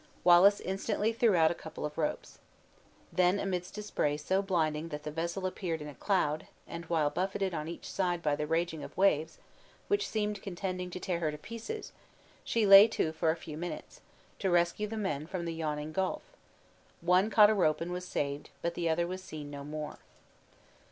Wallace instantly threw out a couple of ropes. Then, amidst a spray so blinding that the vessel appeared in a cloud, and while buffeted on each side by the raging of waves, which seemed contending to tear her to pieces, she lay to for a few minutes, to rescue the men from the yawning gulf; one caught a rope and was saved, but the other was seen no more.